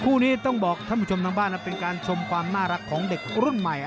คู่นี้ต้องบอกท่านผู้ชมทางบ้านเป็นการชมความน่ารักของเด็กรุ่นใหม่